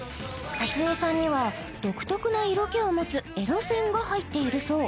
辰巳さんには独特な色気を持つエロ線が入っているそう